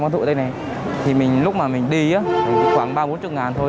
thì lúc mà mình đi khoảng ba bốn mươi ngàn thôi